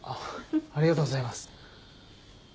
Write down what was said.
ありがとうございます。